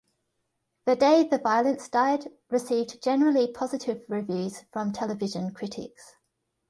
"The Day the Violence Died" received generally positive reviews from television critics.